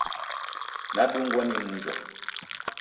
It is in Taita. Nadungwa ni mnjwa